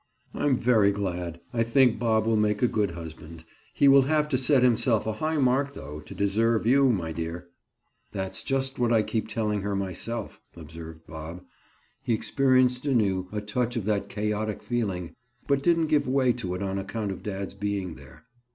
"I'm very glad. I think Bob will make a good husband. He will have to set himself a high mark though, to deserve you, my dear." "That's just what I keep telling her myself," observed Bob. He experienced anew a touch of that chaotic feeling but didn't give way to it on account of dad's being there.